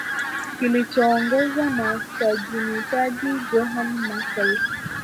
kilichoongozwa na sajinitaji Johann Merkl